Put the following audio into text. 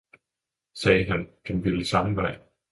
sagde han, den ville samme vej.